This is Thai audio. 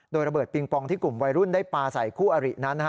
โดยระเบิดปิงปองที่กลุ่มวัยรุ่นได้ปลาใส่คู่อรินั้น